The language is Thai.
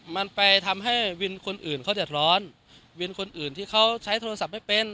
มันไปทำให้วินคนอื่นเขาเดือดร้อนวินคนอื่นที่เขาใช้โทรศัพท์ไม่เป็น